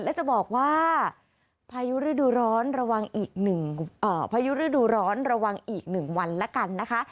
และจะบอกว่าพายุฤดูร้อนระวังอีกหนึ่งวันละกันนะคะ